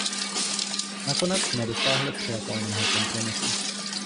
Nakonec jsme dosáhli přijatelného kompromisu.